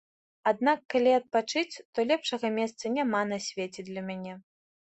Аднак калі адпачыць, то лепшага месца няма на свеце для мяне.